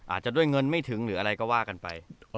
อาจจะด้วยเงินไม่ถึงหรืออะไรก็ว่ากันไป